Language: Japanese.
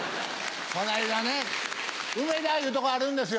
この間ね梅田いうとこあるんですよ